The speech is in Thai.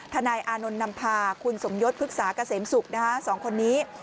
ทนายอานนท์นำพาคุณสมยศภึกษากะเสมสุกนะคะ๒คนนี้